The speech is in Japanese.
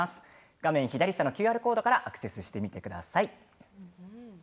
画面左下のＱＲコードからアクセスしてみてください。